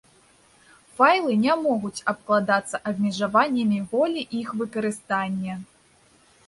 Файлы не могуць абкладацца абмежаваннямі волі іх выкарыстання.